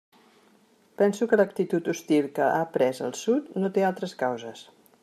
Penso que l'actitud hostil que ha pres el Sud no té altres causes.